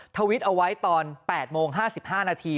ทวิตเอาไว้ตอน๘โมง๕๕นาที